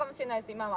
今は。